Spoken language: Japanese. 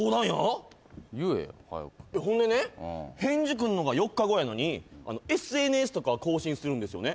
来んのが４日後やのにＳＮＳとかは更新するんですよね